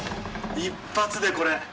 一発でこれ。